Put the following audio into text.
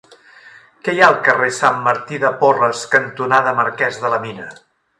Què hi ha al carrer Sant Martí de Porres cantonada Marquès de la Mina?